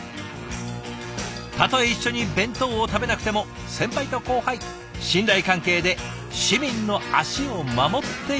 たとえ一緒に弁当を食べなくても先輩と後輩信頼関係で市民の足を守っていく。